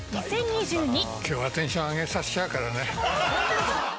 きょうはテンション上げさせちゃうからね。